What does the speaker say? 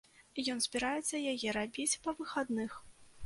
Ён збіраецца яе рабіць па выхадных.